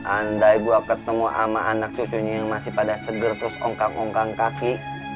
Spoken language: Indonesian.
andai gue ketemu sama anak cucunya yang masih pada seger terus ongkang ongkang kaki